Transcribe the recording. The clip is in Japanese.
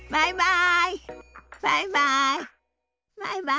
バイバイ。